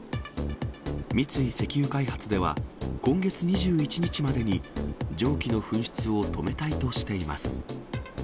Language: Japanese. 三井石油開発では、今月２１日までに、蒸気の噴出を止めたいとしています。